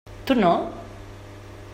Tu no?